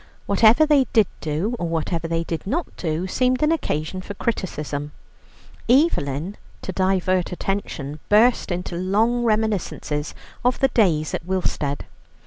Whatever they did do, or whatever they did not do, seemed an occasion for criticism. Evelyn, to divert attention, burst into long reminiscences of the days at Willstead.